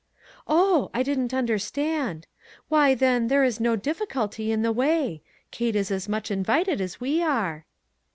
4* Oh ! I didn't understand ; why, then, there is no difficulty in the way ; Kate is as much invited as we are."